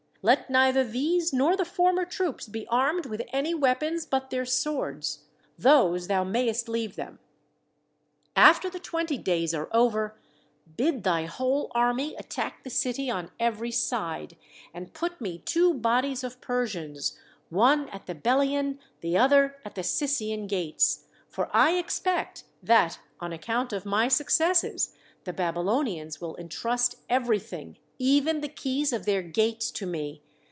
Let neither these nor the former troops be armed with any weapons but their swords those thou mayest leave them. After the twenty days are over, bid thy whole army attack the city on every side, and put me two bodies of Persians, one at the Belian, the other at the Cissian gates; for I expect that, on account of my successes, the Baby lonians will entrust everything, even the keys of their gates, to me.